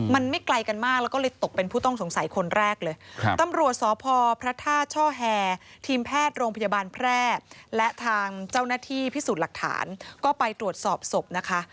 มันไม่ไกลกันมากแล้วก็เลยตกเป็นผู้ต้องสงสัยคนแรกเลยตำรวจสพพระท่าช่อแฮทีมแพทย์โรงพยาบาลแพร่และทางเจ้าหน้าที่พิสูจน์หลักฐานก็ไปตรวจสอบศพนะคะ